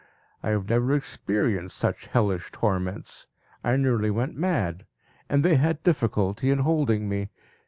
I have never experienced such hellish torments. I nearly went mad, and they had difficulty in holding me.